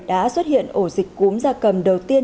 đã xuất hiện ổ dịch cúm da cầm đầu tiên